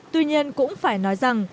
tuy nhiên cũng phải nói rằng